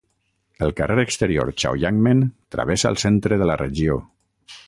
El carrer exterior Chaoyangmen travessa el centre de la regió.